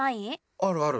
あるある。